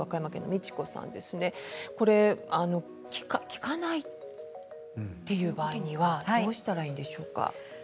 効かないという場合にはどうしたらいいでしょうか。